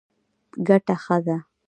ګټه ښه ده.